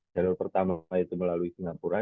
jalur pertama itu melalui singapura